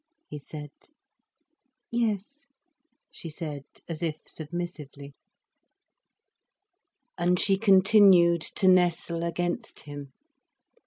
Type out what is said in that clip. he said. "Yes," she said, as if submissively. And she continued to nestle against him.